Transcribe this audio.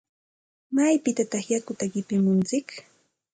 ¿Maypitataq yakuta qipimuntsik?